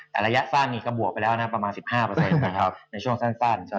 แต่ระยะสั้นนี่ก็บวกไปแล้วนะประมาณ๑๕ในช่วงสั้น